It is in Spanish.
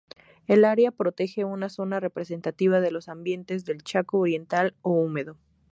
El área protege una zona representativa de los ambientes del Chaco Oriental o Húmedo.